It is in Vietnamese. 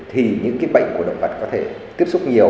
thì những cái bệnh của động vật có thể tiếp xúc nhiều